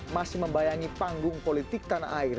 masih membayangi panggung politik tanah air